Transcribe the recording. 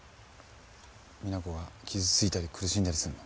実那子が傷ついたり苦しんだりすんの。